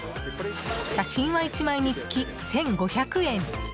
写真は１枚につき１５００円。